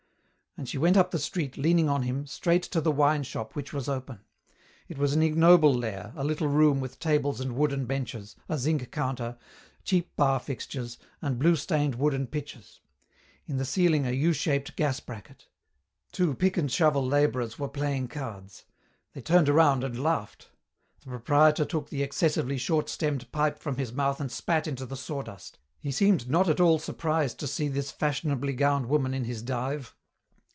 And she went up the street, leaning on him, straight to the wine shop, which was open. It was an ignoble lair, a little room with tables and wooden benches, a zinc counter, cheap bar fixtures, and blue stained wooden pitchers; in the ceiling a U shaped gas bracket. Two pick and shovel labourers were playing cards. They turned around and laughed. The proprietor took the excessively short stemmed pipe from his mouth and spat into the sawdust. He seemed not at all surprised to see this fashionably gowned woman in his dive.